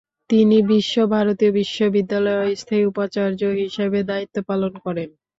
তিনি বিশ্বভারতী বিশ্ববিদ্যালয়ের অস্থায়ী উপাচার্য হিসেবে দায়িত্ব পালন করেন।